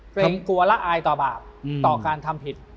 กลัวละอายต่อบาปต่อการทำผิด